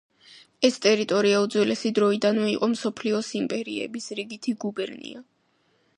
ეს ტერიტორია უძველესი დროიდანვე იყო მსოფლიოს იმპერიების რიგითი გუბერნია.